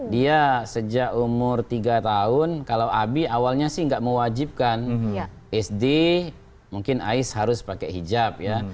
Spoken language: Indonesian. dia sejak umur tiga tahun kalau abi awalnya sih nggak mewajibkan sd mungkin ais harus pakai hijab ya